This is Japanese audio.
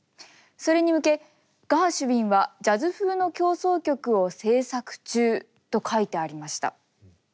それに向けガーシュウィンはジャズ風の協奏曲を制作中と書いてありました。